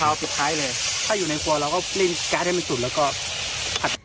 อ่าสามารถตาย